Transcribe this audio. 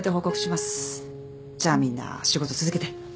じゃあみんな仕事続けて。